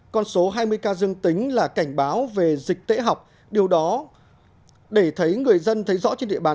con số hai mươi ca dương tính là cảnh báo về dịch tễ học điều đó để thấy người dân thấy rõ trên địa bàn